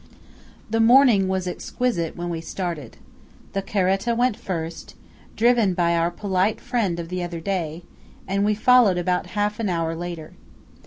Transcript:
The morning was exquisite when we started. The caretta went first, driven by our polite friend of the other day, and we followed about half an hour later.